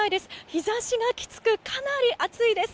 日差しがきつくかなり暑いです。